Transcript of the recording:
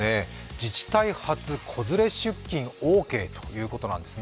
自治体初、子連れ出勤オーケーということなんです。